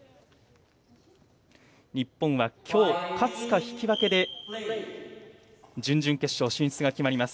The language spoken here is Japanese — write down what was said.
日本は今日、勝つか引き分けで準々決勝進出が決まります。